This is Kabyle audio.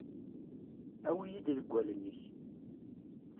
Awi-yi-d deg wallen-ik.